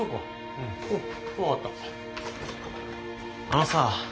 あのさ。